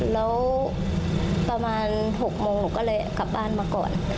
แล้วประมาณ๖โมงหนูก็เลยกลับบ้านมาก่อน